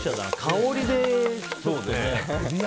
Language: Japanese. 香りでね。